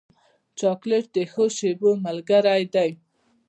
چاکلېټ د ښو شېبو ملګری دی.